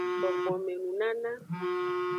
Gbogbome nunana.